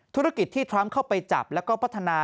ธุรกิจที่ทรัมป์เข้าไปจับแล้วก็พัฒนา